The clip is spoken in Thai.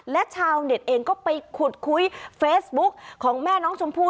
และชาวเน็ตเองก็ไปขุดคุยเฟซบุ๊กของแม่น้องชมพู่